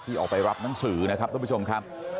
ออกไปรับหนังสือนะครับทุกผู้ชมครับ